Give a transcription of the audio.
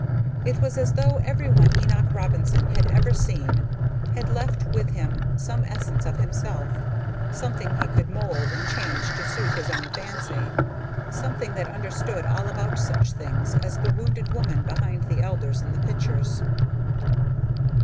It was as though everyone Enoch Robinson had ever seen had left with him some essence of himself, something he could mould and change to suit his own fancy, something that understood all about such things as the wounded woman behind the elders in the pictures.